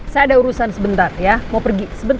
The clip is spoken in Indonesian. saya ada urusan sebentar